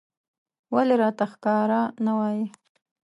ولې راته ښکاره نه وايې